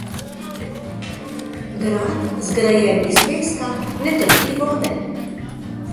Grad, zgrajen iz peska, ne trpi vode.